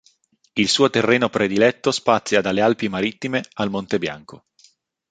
Il suo terreno prediletto spazia dalle Alpi Marittime al Monte Bianco.